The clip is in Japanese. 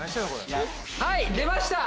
はい出ました！